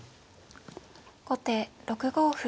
後手６五歩。